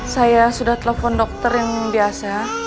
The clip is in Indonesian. saya sudah telepon dokter yang biasa